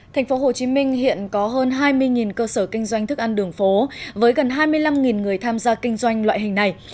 thành phố hồ chí minh hiện có hơn hai mươi cơ sở kinh doanh thức ăn đường phố với gần hai mươi năm người tham gia kinh doanh loại hình này